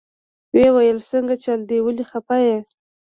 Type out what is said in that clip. ويې ويل سنګه چل دې ولې خفه يې.